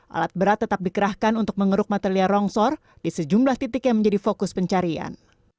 alat berat tetap dikerahkan untuk mengeruk material longsor di sejumlah titik yang menjadi fokus pencarian